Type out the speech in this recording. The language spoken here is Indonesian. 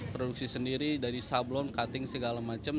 produksi sendiri dari sablon cutting segala macam